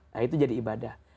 nah itu jadi ibadah